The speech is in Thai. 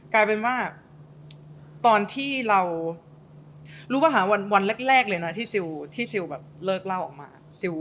กลายเป็นว่าตอนที่เรารู้ป่ะคะวันแรกเลยนะที่ซิลแบบเลิกเล่าออกมา